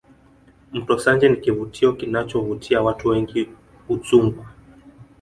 mto sanje ni kivutio kinachovutia watu wengi udzungwa